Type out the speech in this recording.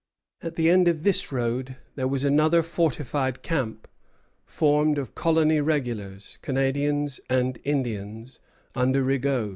At the end of this road there was another fortified camp, formed of colony regulars, Canadians, and Indians, under Rigaud.